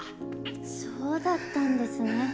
そうだったんですね。